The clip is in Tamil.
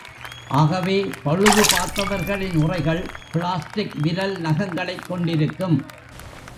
ஆகவே, பழுது பார்ப்பவர்களின் உறைகள் பிளாஸ்டிக் விரல் நகங்களைக் கொண்டிருக்கும்.